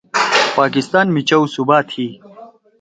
پاکستان می چؤ صوبا تھی۔